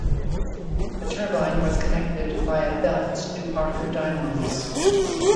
The turbine was connected via belts to Parker dynamos.